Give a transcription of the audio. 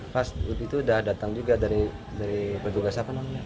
pas itu udah datang juga dari berduga siapa namanya